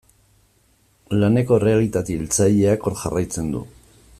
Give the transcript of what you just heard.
Laneko errealitate hiltzaileak hor jarraitzen du.